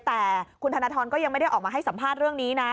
แต่คุณธนทรก็ยังไม่ได้ออกมาให้สัมภาษณ์เรื่องนี้นะ